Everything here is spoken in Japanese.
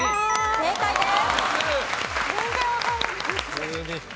正解です。